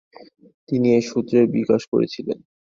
তিনি এ সূত্রের বিকাশ করেছিলেন।